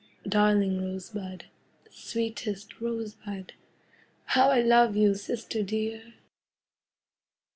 Darling Rosebud, Sweetest Rosebud, How I love you, sister dear!